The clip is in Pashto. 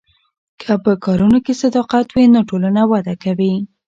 که په کارونو کې صداقت وي نو ټولنه وده کوي.